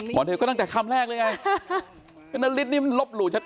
หมอนเทศก็ตั้งแต่คำแรกเลยไงอันนั้นฤทธิ์นี้มันลบหลู่ชัด